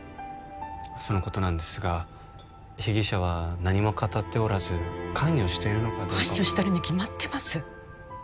そのことなんですが被疑者は何も語っておらず関与しているのかどうかも関与してるに決まってます